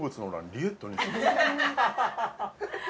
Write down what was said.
リエット